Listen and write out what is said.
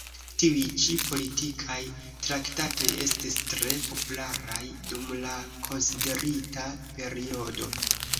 Tiuj ĉi politikaj traktatoj estis tre popularaj dum la konsiderita periodo.